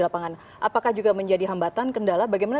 lapangan apakah juga menjadi hambatan kendala bagaimana